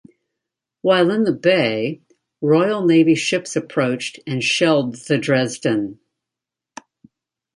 While in the bay, Royal Navy ships approached and shelled the "Dresden".